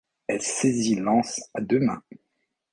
Elle saisit l’anse à deux mains.